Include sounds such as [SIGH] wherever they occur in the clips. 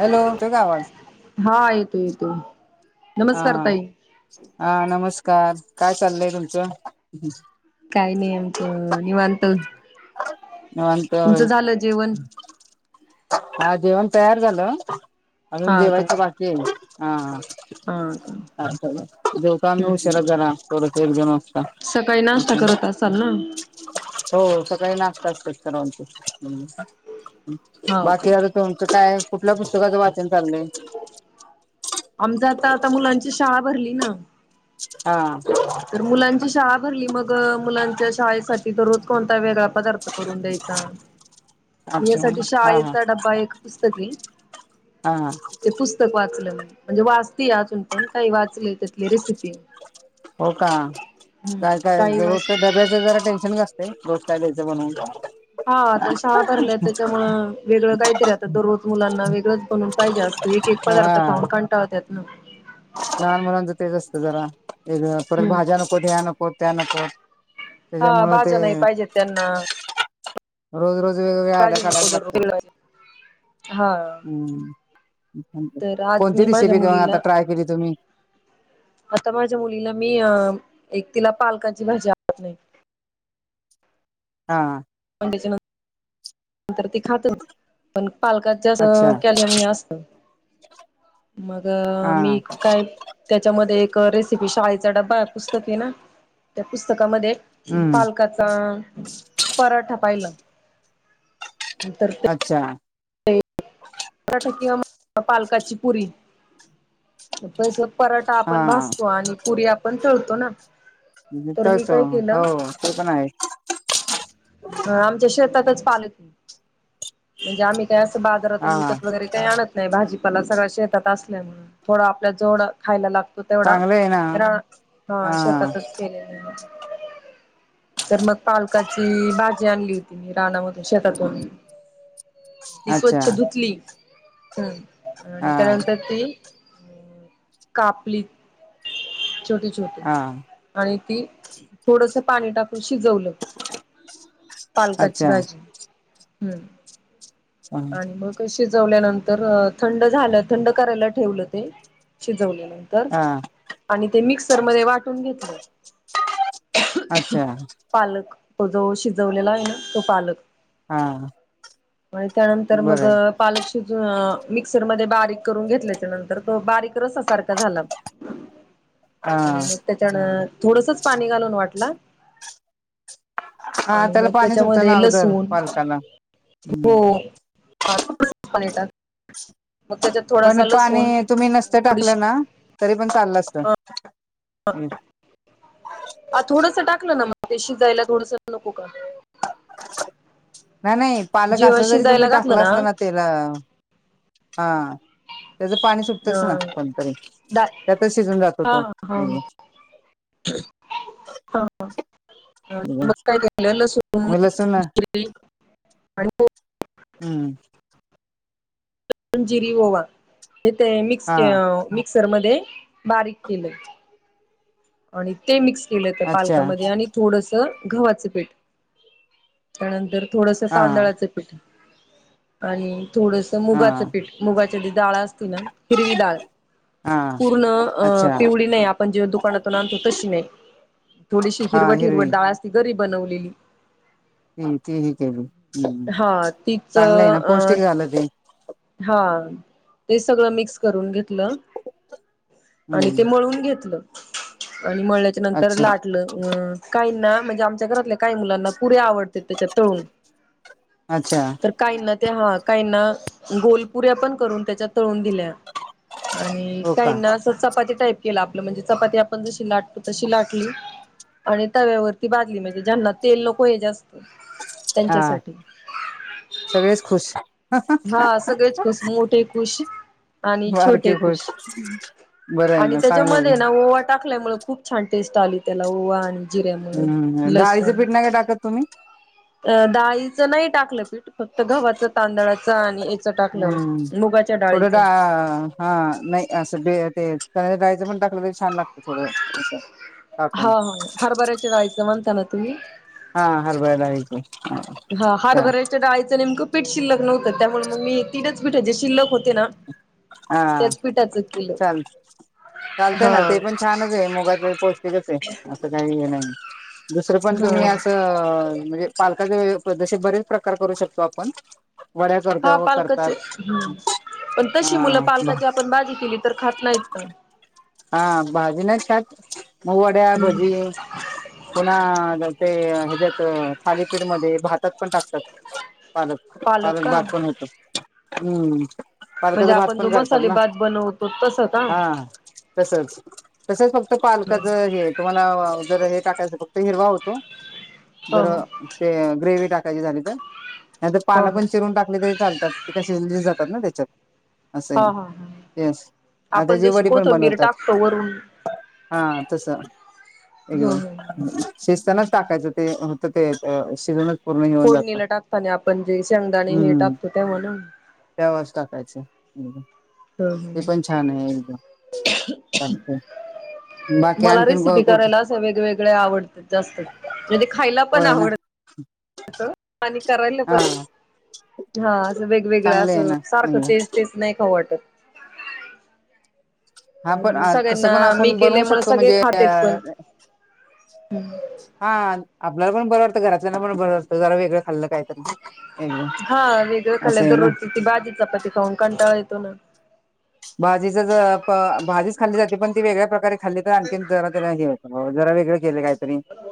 Hello तो काय आवाज. हा येतो येतोये. हा हा नमस्कार काय चाललंय तुमचं. काही नाही आमचं निवांत. निवांत आहे. तुमचं झालं जेवण हा जेवण तयार झालं अजून हा का जेवायचं बाकी आहे हा. हा का अ जेवतो आम्ही हम्म उशिरा जरा थोडे थोडे जाणं. सकाळी नाश्ता अच् करत असाल ना हो. का नात हा का बाकी आता तुमचं काय. कठल्या पुस्तका वा. आमज आता आता मुलांची शाळा भरली ना. हा. तर मुलांची शाळा भरली मग मुलांच्या शाळेसाठी तर रोज कोणता वेगळा. पदार्थ करून द्यायचा. मी अच्छा यासाठी हा हा हा शाळेचा ड्बा एक पुस्तक आहे. हा ते पुस्तक वाचलं म. म्हणजे वाचती अजून पण काही वाचले त्यातली रेसिपी. हो का हम्म काय काय काही जर तर वाचते डब्याच जरा टेन्शनच असत ते रोस् काय द्यायचं बनऊन. हा आता शाळा भरल्या आहेत त्याच्यामु वेगळं काहीतरी आता दररोज मुलांना वेगळंच बनून पाहिजे असं. एक एक पदार्थ हा खाऊन कंटाळत्यात ना. लहान मुलांच तेच असतं जरा एक परत हम्म भाज्या नको ह्या नको त्या नको. हा भाज्या नाही पाहिजेत त्यांना रोज रोज वेगवेगळ्या आड्या भाजी नको काढायला दररोज लागतात वेगळं हा हम्ममं. तर आज कोणती मी माझ्या रेसिपी देऊन आता मुलीला ट्राय केली तुम्ही. आता माझ्या मुलीला मी अ एक तिला पालकांची भाजी आवड हा. [UNINTELLIGIBLE] नंतर ते खात पण पालकात जा अच्छा कॅल्शियम हे असत. मग हा मी काय त्याच्यामध्ये एक. रेसिपी शाळेचा डबा पुस्तक आहे ना त्या पुस्तकामध्ये हम्म पालकाचा पराठा पाहिला. तर ते अच्छा! पराठा किंवा पालकाची पुरी तस. पराठा आपण हा भासतो आणि पुरी आपण खळतो ना. तर मी तो काय हो ते पण आहे. ह आमच्या शेतातच पालत नाही म्हणजे आम्ही. असं बाजारातून हा विकत वगैरे काही आणत नाही भाजी ला सगळ्या शेतात असल्या थोडं आपल्या जोड खायला लागत. तो तेवढा चांगलं आहे ना रा ह हा शेतातच केलेला. तर मग पालकाची बाजी. आणली होती मी रानामध्ये शेतातून ती अच्छा स्वच्छ धुतली.. हम हा आणिकरंत ती. कापली छोटी छोटी हा आणि. ती थोडस पाणी टाकून शिजवलं. पालकाची अच्छा भाजी हम्म. आणि मग कशी शिजवल्या नंतर. न थंड झालं थंड करायला ठेवलं ते शिजवले. हा आणि ते मिक्सर मध्ये वाटून घेतलं. अच्छा पालक तो जो शिजवलेला आहे ना तो पालक. हा आणि त्यानंतर मग बरं पालक शिजून मिक्सरमध्ये. बारीक करून घेतल्याच्या नंतर तो बारीक रसा सारखा झाला. हा आणि मग त्याच्यानं थोडसच पाणी घालून वाटला. हा आणि त्याला मग पाणी सुटतं त्याच्यामध्ये ना अगोदर लसूण पालकाला हम्म हो [UNINTELLIGIBLE] मग त्याच्यात पण थोडासा लसूण पाणी तुम्ही नसत टाकलं थोडीशी ना तरी पण चाललं असत. हा थोडस टाकलं ना मग. मा ते शीजायला थोडंसं नको का. नाही नाही पालक जेव्हा असा जरी तुम्ही शिजायला घातलं टाकला असता ना त्याला. हा त्याच पाणी सुटतच ना अ कोणतरी डाळ त्यातच शिजून जातो तो एक ह ह काय काय लसूप मग लसूण हम्म ंजिरी ओवा यथे मिक्स हा मिक्सर मध्ये बारीक केले आणि ते मिक्स केलं होत अच्छा पालकामध्ये आणि थोडस गव्हाचं पीठ त्यानंतर थोडस हा तांदळाचं पीठ आणि थोडस हा मुगाचं पीठ मुगाच्याडळळा असत हिरवी दाळ हा पूर्ण अच्छा पिवली नाही आपण जे दुकाना तो तशी नाही थोडीशी हा हिरवट हिरवट हिरवी डाळ त गरी बनवलेली त तीही केली हम् हा तीच चांगलं आहे ना पौष्टिक अ झालं ते हा ते सगळं मिक्स करून घेतलं आणि ते हम्म मळून घेतलं. आणि मळल्याच्या नंतर अच्छा लाटलं काहींना म्हणजे आमच्या घरातल्या काही मुलांना पुरे आवड त्याच्या तळून अच्छा तर काहींना ते हा काहींना गोलपुऱ्या पण करून त्याच्यात तळून दिल्या आणि हो का काहींना असं चपाती टाईप केला आपलं म्हणजे चपाती आपण जशी लाटतो तशी लाटली. आणि तव्यावरती बाजली म्हणजे ज्यांना तेल लोको हे जास्त हा त्यांच्यासाठी सगळेच खुश हा सगळेच खुश मोठे खुश आणि छोटे खुश. बरं आहे आणि ना चांगलं आहे त्याच्यामध्ये ना ओवा टाकल्यामुळे खूप छान टेस्ट आली त्याला ओवा आणि जिरेमुळेळ हम्म डाळीचं लसूण पीठ नाही का टाकत तुम्ही डाळीच नाही टाकलं पीठ फक्त गव्हाचं तांदळाचं आणि याच टाकलं हम्म मुग थोडं चाळीस. डा हा नाही असं ते राहायचं पण टाखलं तरी छान लागत. थोडं अस टाकून जायचं म्हणता ना तुम्ही हा हरबडयत आहे. हा हार वरायच्या डाळायचं नेमकं पीठ शिल्लक नव्हतं, त्यामुळे मग मी तीनच पीठाचेे शिल्लक होते ना त्याच पीठाचं ल [UNINTELLIGIBLE] चालत ना ते पण छानच आहे मुगाच पौष्टिकच आहे असं काही हे नाही. दुसरं पण हा तुम्ही असं म्हणजे पाल पदशीर बरेच प्रकार करू शकतो आपण वड्या करत हा पालकच करतात पण कशी हा मुलं पालकाची आपण बाजी केली तर खात नाहीत ना हा भाजी नाही छात मुवड्या हम्म. भजी पुन्हा ज ते ह्याच्यात थालीपीठ मध्ये भातात पण टाकतात. पालक पालक बातण होत हम्म. म्हणजे पालकच भात आपण जो पण करतात मसाले ना भात बनवतो तसं का? हा. तसच तसच फक्त ह पालकाच हे तुम्हाला जर हे टाकायचं. हिरवा होतो ह जर ह ते ग्रेवी टाकायची झाली तर. नाही तर ह हा पानं पण चिरून टाकली तरी चालतात. ते क शि जातात ना त्याच्यात असं हा हा तेस आता आपण जे जशी वडी पण कोथंबीर बनवायच. टाकतो वरून हा तस ह एकदम शस्ताना टाकायच ते होत ते शिजूनच. पूर्ण येऊन जातं पोडणीला टाकताना आपण जे शेंगदाणे हे टाकतो तेव्हाणा त्या वज टाकायचं, एकदम ते पण ह छान आहे एकदम चालत. मला रेसिपी करायला अस वेगवेगळे आवडत जास्त म्हणजे खायला पण होय ना आवड आणि करायला हा पण हा असं वेगवेगळं चांगले आहे असं ना सारखं एकदम तेच तेच नाही ख वाटत. हा पण तसं पण सगळ्यांना मी आपण बनवू केल्यामुळे शकतो सगळे म्हणजे खातेत अ पण हा. आपल्याला पण बर वातं घरातल्याला पण बर वाटतं जरा वेगळं खाल्लं कायतरी हा वेगळ खाल्ल्या दररोजची ती भाजी चपाती खाऊन कंटाळा येतो ना. भाजीच ज भाजीच खाल्ली जाते पण ती वेगळ्या प्रकारे खाल्ली तर आणखी जरा त्याला हे होतं. हो जरा वेगळें केले काय.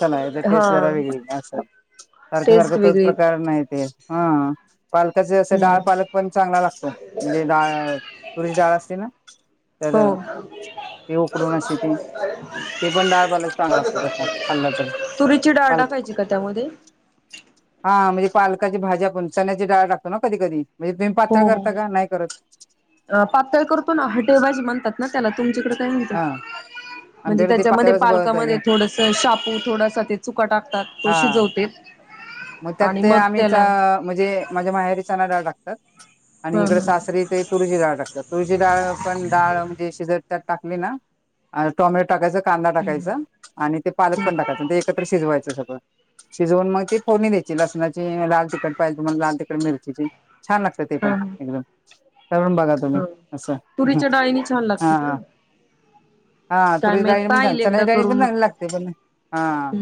चला ज हा जरा वेगळी असं सारख्या सारखं टेस्ट तोच वेगळी प्रकार नाही ते हा पालकाचे असे डाळ हम्म पालक पण चांगला लागतो. म्हणजे डाळ तरीची डळ असते ना तर हो, ते उकडून असे ते ते पण डाळ पालक चांगला लागतो तसा खाल्ला तर [UNINTELLIGIBLE] तुरीची डाडा, पालक पाहिजे का त्यामध्ये, हा म्हणजे पालकाची भाजी आपण चण्याची डाळ टाकतो, ना कधी कधी, म्हणजे तुम्ही हो पातळ हो करता का नाही करत पातळ करतो ना हटेबाजी म्हणतात, ना त्याला तुमच्याकडे, काय म्हणत? हा म्हणजे आमच्याकडे ते त्याच्यामध्ये पातळच पालकामध्ये बनवतात थोडस शापू थोडासा ते चुका टाकतात. हा तोशीच होते, मग त्यात ते आम्हीच म्हणजे माझ्या माहेरी चनाडाळ टाकतात. आणि ह इकडे सासरी ते तुरी ची डा ळ टातात तुरी ची डाळ पणडाळ म्हणजे शिजत, त्यात टाकली ना टमॅटो, टाकायच कांदा, टाकायचा ह आणि ते पालक पण टाकायच. ते एकत्र शिजवायचं सगळं शिजवून मग ते, फोणी द्यायची लसणाची लाल तिकट पाहिजे तुम्हाला लाल तिकट मिरचीची, छान लागत ते ह पण एकदम करून बघा तुम्ही असं. अछान लागते का? हा हा काय तुरी ची माहित डाळी ना पणां पाहिल एकदा चनाच्या पण करून चांगली लागते. पण हा,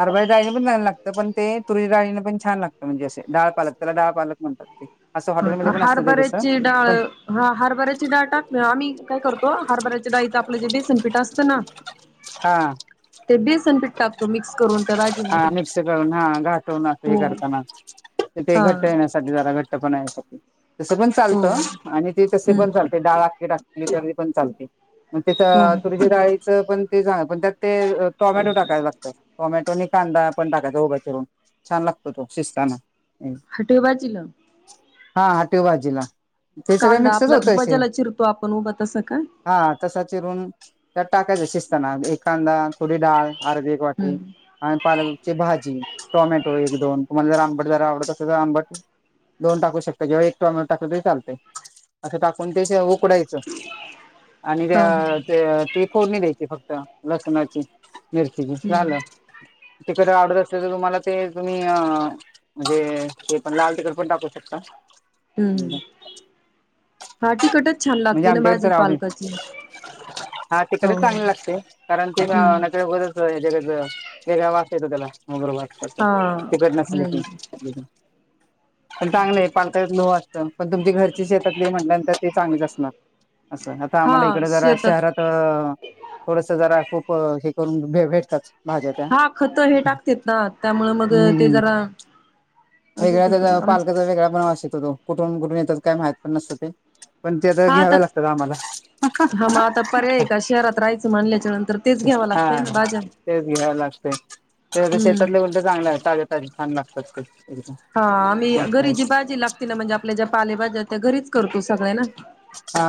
हरभरा च्या डाळी ना पण चागलं लागते. तर पण ते तुरी डाळीने पण छान लागतं, म्हणजे असे डाळ पालकला डाळ पाल म्हणतात ते, असं हॉटेलमध्ये पण असतं ते तसं हरभऱ्याची डाळ पण ह हरभऱ्याची डाळ टाक ना आम्ही काय, करतो हरभऱ्याची गाईच आपलं जे बेसनपीठ असतं ना हा ते बेसनपीठ टाकतो मिक्स करून त्या हा भाजीमध्ये मिक्सरला करून हा घाटून, [UNINTELLIGIBLE] हो करताना ते हा घट्ट येण्यासाठी जरा घट्ट पण, तसं पण हो चालतं आणि ते तसे पण हम्म चालते डाळ आली टाकली तर पण चालते. हो त्या तुरची डाळीचं पण ते पण त्यात ते टोमॅटो टाकायला लागतात. टोमॅटो न कांदा पण टाकायचा उभ्या चिून छान लागतो तो शिजताना. हटेबाजलं, हा हटिव बाजीला. ते सगळ कांदा मिक्सच आपला होतये बजाला चिरतो आपण उभा तसं का हा, तसा चिरून त्या टाकायचशी असत ना एखांदा थोडी डाळ, अर्दी एक वाटी हम्म आणि पालकची भाजी टॉमॅटो, एक दोन तुमला अबट जरा आवडत असे तर अबट, दोन टाकू शकत जेव्हा एक टाकतो, ते चालते अस टाकून ते, उकडायचं हो हो आणि [UNINTELLIGIBLE] फोडणी द्यायची फक्त, लसणाची, मिरचीची हम्म झालं. तिकट आवडत असते तर तुम्हाला, ते तुम्ही म्हणजे! ते पण लाल तिकड पण टाकू शकता. हम्म हा तिखटच छान म्हणजे लागते ना आमच्याकडे भाजी तर आवडेल पलकची, हा तिकडे चांगली लागते, कारण ते हम्म नक बघत असतच्याकडे. वेगळा वास येतो त्याला मोगर वाट हा तिकट नसली की. हम्म पण चांगले पालत्यात लोह असत पण तुमची घरची शेतातली म्हटल्यानंतर ते चांगलेच असत. असं आता हा आम्हाला इकडे जरा शेतात शहरात थोडस जरा खूप. हे करून भ भेटतात भाज्या त्या हा खत हे टाकते, ना त्यामु मग ते हम्म जरा. असंच वेगळ्या होतं त्याचा ना आमच पालकाचा वेगळा वेगळा वास येतो, तो कुठून कुठून येतात काय माहित पण नसतो ते पण. ते तर हा आता घ्याव्या लागतात आम्हाला. हा मग आता पर्याय का शहरात राहायचं, म्हणल्याच्या नंतर तेच घ्यावं हा लागतंय ना भाज्या. तेच घ्याव लागत ते हम्म शेतातले उलट तर, चांगले आहेत ताज्या ताज्या छान लागतात. एकदम हा आम्ही मस्त आहे घरी जी भाजी लागती ना म्हणजे, आपल्या ज्या पालेभाज्या आहेत त्या घरीच करतो सगळे ना. हा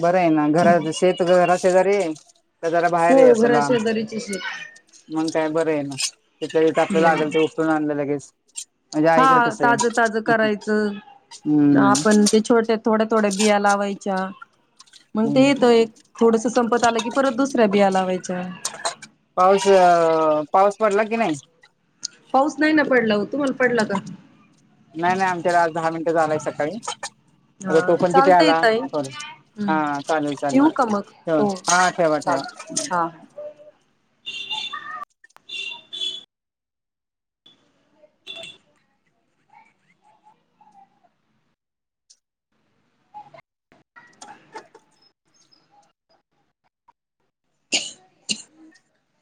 बरं आहे ना घरा शेतरा शेजारी आहे. का जरा हो बाहेरही असे घरा लांब, शेजारीची शेत मग काय बरं आहे ना. तथ आपल्याला लागल ते उठरून आणलं लगेच... म्हणजे हा आईकडे तसं ताजं ताज आहे करायचं.... हम्म आपण ते छोट्या थोड्या थोड्या बिया लावायच्या. मग ते हम्म येत एक थोडस संपत आलं की परत दुसऱ्या बिया लावायच्या. मग पाऊस पडला की नाही. पाऊस नाही ना पडला हो तुम्हाला पडला का. नाही नाही आमच्याला आज दहा मिनिटं झालाय सकाळी हा अग तो पण किती चालतंय आला ताई सॉरी. हा हम्म चालेू चालेू ठेवू का मग ठेव हो हा ठेवा ठेवा... चालत हा [UNINTELLIGIBLE]